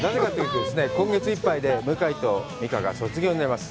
今月いっぱいで向井と美佳が卒業になります。